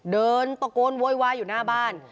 เดินตะโกนโวยวายอยู่หน้าบ้าน